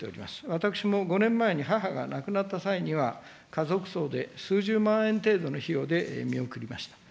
私も５年前に母が亡くなった際には、家族葬で数十万円程度の費用で見送りました。